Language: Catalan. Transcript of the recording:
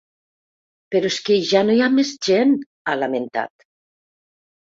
Però és que ja no hi ha més gent, ha lamentat.